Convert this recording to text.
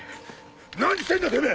何してんだてめぇ！